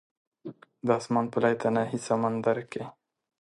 د اسمان په لایتناهي سمندر کې